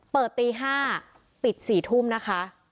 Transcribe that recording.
เปิดตี๕ปิด๔ทุ่มนะคะ